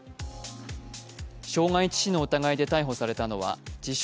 傷害致死の疑いで逮捕されたのは自称